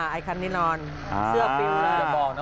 ไอคันนี้นอนเสื้อฟิลล์นะ